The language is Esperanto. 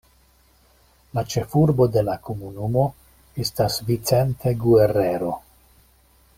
La ĉefurbo de la komunumo estas Vicente Guerrero.